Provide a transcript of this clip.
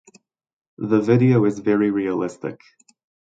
The video is very realistic.